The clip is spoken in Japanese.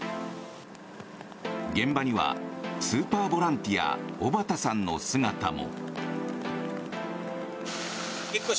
現場にはスーパーボランティア尾畠さんの姿も。